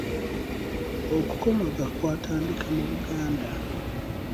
Okukomaga kwatandika mu Buganda.